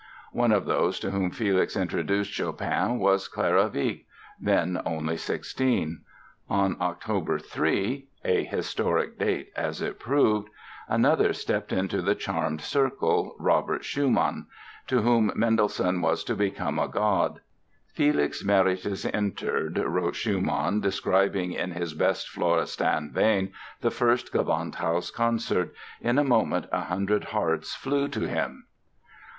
One of those to whom Felix introduced Chopin was Clara Wieck, then only sixteen. On October 3—a historic date, as it proved—another stepped into the charmed circle, Robert Schumann, to whom Mendelssohn was to become a god. "Felix Meritis entered", wrote Schumann describing in his best Florestan vein the first Gewandhaus concert. "In a moment a hundred hearts flew to him!"